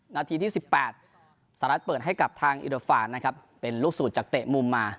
นาทีที่๑๘สหรัฐเปิดให้กับทางอิโดฟานนะครับเป็นลูกสูตรจากเตะมุมมา